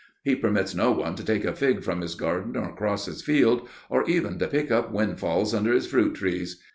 "He permits no one to take a fig from his garden or cross his field, or even to pick up windfalls under his fruit trees.